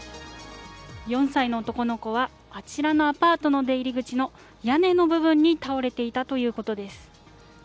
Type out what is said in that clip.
４歳の男の子はあちらの出入り口の屋根の部分に倒れていたということです。